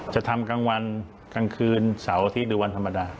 จะทำกลางวันกลางคืนเสาร์อาทิตย์หรือวันธรรมดา